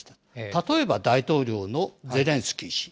例えば大統領のゼレンスキー氏。